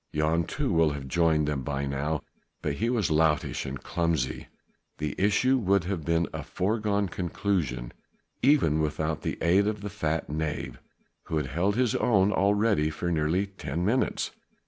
Jan too will have joined them by now, but he was loutish and clumsy. The issue would have been a foregone conclusion even without the aid of the fat knave who had held his own already for nearly ten minutes.